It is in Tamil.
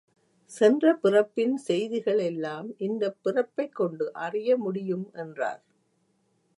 சென்ற பிறப்பின் செய்திகள் எல்லாம் இந்தப் பிறப்பைக் கொண்டு அறிய முடியும் என்றார்.